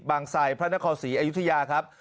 บางไสพระนครศรีอายุทยาครับ